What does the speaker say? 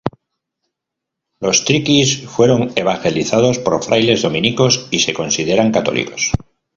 Los triquis fueron evangelizados por frailes dominicos y se consideran católicos.